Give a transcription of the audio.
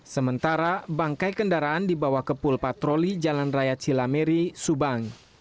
sementara bangkai kendaraan dibawa ke pulpatroli jalan raya cilameri subang